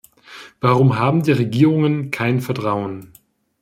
Warum haben die Regierungen kein Vertrauen?